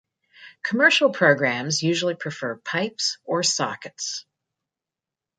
Commercial programs usually prefer pipes or sockets.